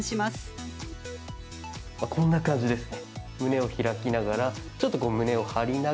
まあこんな感じですね。